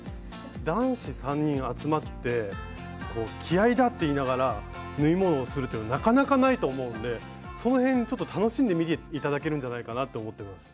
男子３人集まって気合いだって言いながら縫い物をするというのはなかなかないと思うんでその辺ちょっと楽しんで見ていただけるんじゃないかなと思っています。